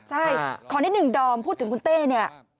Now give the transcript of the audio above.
ใช่ขอนิดหนึ่งดอมพูดถึงคุณเต้เนี่ย